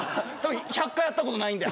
１００回やったことないんで。